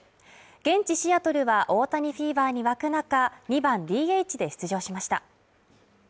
現地シアトルは大谷フィーバーに沸く中２番ＤＨで出場しました。